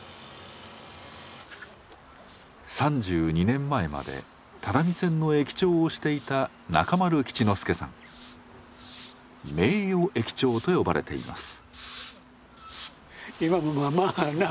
３２年前まで只見線の駅長をしていた「名誉駅長」と呼ばれています。